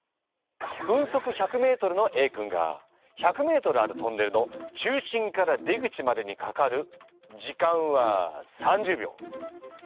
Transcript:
分速１００ｍのＡ君が１００ｍあるトンネルの中心から出口までにかかる時間は３０秒。